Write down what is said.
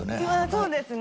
そうですね。